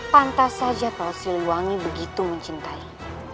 pantas saja kalau si liwangi begitu mencintai